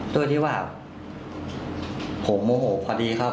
ด้วยที่ว่าผมโมโหพอดีครับ